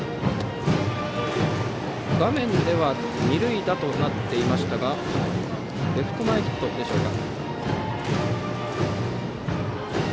画面では二塁打となっていましたがレフト前ヒットでしょうか。